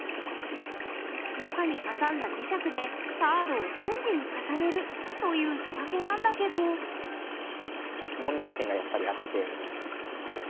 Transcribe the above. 中に挟んだ磁石でカードを瞬時に重ねるという仕掛けなんだけど問題点がやっぱりあって。